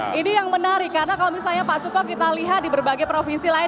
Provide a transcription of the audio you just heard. nah ini yang menarik karena kalau misalnya pak sukam kita lihat di berbagai provinsi lain